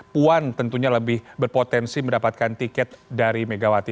puan tentunya lebih berpotensi mendapatkan tiket dari megawati